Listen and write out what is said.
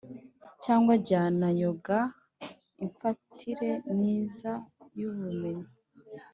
cyangwa jnana yoga, imyifatire myiza y’ubumenyi